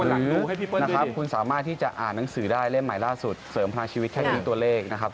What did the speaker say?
หลังนะครับคุณสามารถที่จะอ่านหนังสือได้เล่มใหม่ล่าสุดเสริมพลังชีวิตแค่นี้ตัวเลขนะครับ